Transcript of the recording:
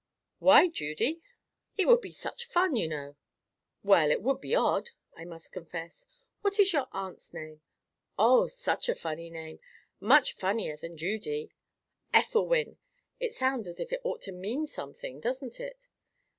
"Why, Judy?" "It would be such fun, you know." "Well, it would be odd, I must confess. What is your aunt's name?" "Oh, such a funny name!—much funnier than Judy: Ethelwyn. It sounds as if it ought to mean something, doesn't it?"